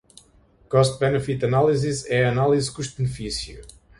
Cost-Benefit Analysis é a análise custo-benefício.